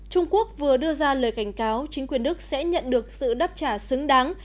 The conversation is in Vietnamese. trung quốc vừa đưa ra lời cảnh cáo chính quyền đức sẽ nhận được sự đáp trả xứng đáng